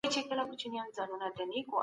که دولت پیاوړی وي سیاست هم ښه وي.